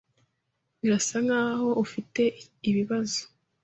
Birasa nkaho ufite ibibazo.